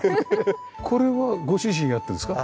これはご主人やってるんですか？